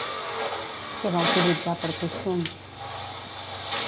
Què va utilitzar per costum?